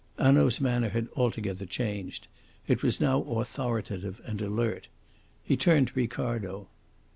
Hanaud's manner had altogether changed. It was now authoritative and alert. He turned to Ricardo.